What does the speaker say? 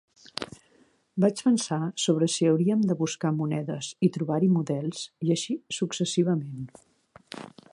Vaig pensar sobre si hauríem de buscar monedes i trobar-hi models, i així successivament.